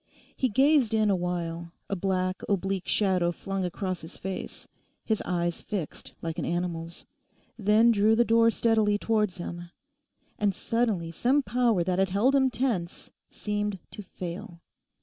He gazed in awhile, a black oblique shadow flung across his face, his eyes fixed like an animal's, then drew the door steadily towards him. And suddenly some power that had held him tense seemed to fail.